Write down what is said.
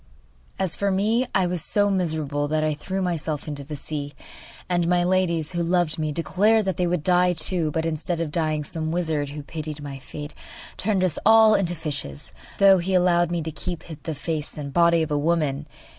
As for me, I was so miserable that I threw myself into the sea, and my ladies, who loved me, declared that they would die too; but, instead of dying, some wizard, who pitied my fate, turned us all into fishes, though he allowed me to keep the face and body of a woman.